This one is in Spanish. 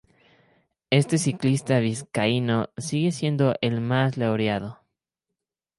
Este ciclista vizcaíno sigue siendo el más laureado.